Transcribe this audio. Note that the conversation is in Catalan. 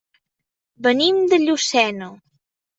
Venim de Llucena.